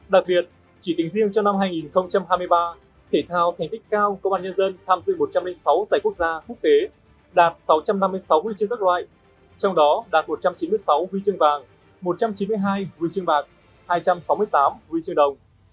đặc biệt chỉ tính riêng cho năm hai nghìn hai mươi ba thể thao thành tích cao công an nhân dân tham dự một trăm linh sáu giải quốc gia quốc tế đạt sáu trăm năm mươi sáu huy chương các loại trong đó đạt một trăm chín mươi sáu huy chương vàng một trăm chín mươi hai huy chương bạc hai trăm sáu mươi tám huy chương đồng